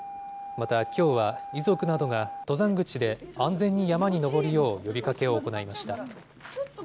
また、きょうは遺族などが登山口で安全に山に登るよう呼びかけを行いました。